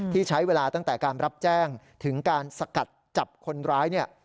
ที่ใช้เวลาตั้งแต่การรับแจ้งถึงการสกัดจับคนร้ายเนี่ย